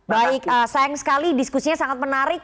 baik sayang sekali diskusinya sangat menarik